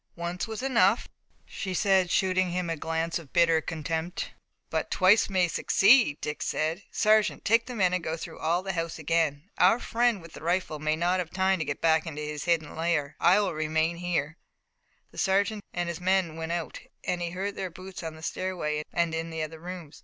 "Once was enough," she said, shooting him a glance of bitter contempt. "But twice may succeed," Dick said. "Sergeant, take the men and go through all the house again. Our friend with the rifle may not have had time to get back into his hidden lair. I will remain here." The sergeant and his men went out and he heard their boots on the stairway and in the other rooms.